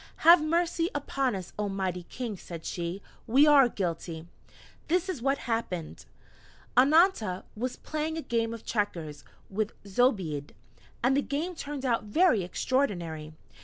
"Have mercy upon us, oh Mighty King," said she: "we are guilty! This is what happened: Annanta was playing a game of checkers with Zobeide, and the game turned out very extraordinary.